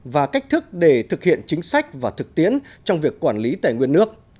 và cách thức để thực hiện chính sách và thực tiễn trong việc quản lý tài nguyên nước